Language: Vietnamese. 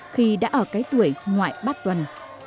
khi đã ở cái tuổi ngoại bác tuần